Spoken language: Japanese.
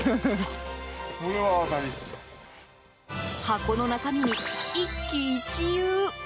箱の中身に一喜一憂。